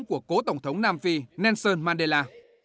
của cố tổng thống nam phi nelson mandela